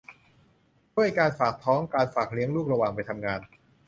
ช่วยการฝากท้อง การฝากเลี้ยงลูกระหว่างไปทำงาน